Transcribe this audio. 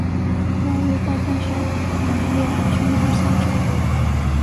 由于暴风雪猛烈全体下撤。